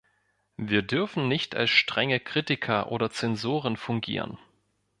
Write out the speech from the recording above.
Wir dürfen nicht als strenge Kritiker oder Zensoren fungieren.